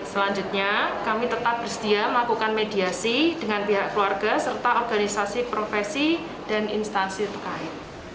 selanjutnya kami tetap bersedia melakukan mediasi dengan pihak keluarga serta organisasi profesi dan instansi terkait